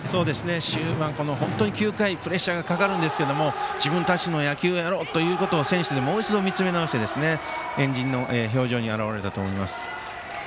終盤、本当にここ９回プレッシャーがかかるんですが自分たちの野球をやろうということを、選手でもう一度、見つめ直して円陣の表情に表れたと思います。